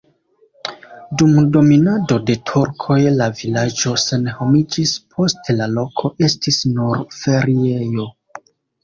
Dum dominado de turkoj la vilaĝo senhomiĝis, poste la loko estis nur feriejo.